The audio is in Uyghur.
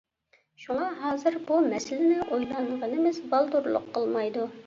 شۇڭا ھازىر بۇ مەسىلىنى ئويلانغىنىمىز بالدۇرلۇق قىلمايدۇ.